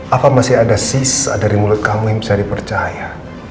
apa masih ada sisa dari mulut kamu yang bisa dipercaya